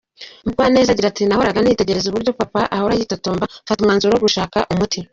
Mugwaneza agira ati, « nahoraga nitegereza uburyo papa ahora yitotomba, mfata umwanzuro wo gushaka umuti.